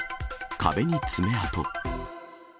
壁に爪痕。